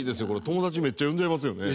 友達めっちゃ呼んじゃいますよね。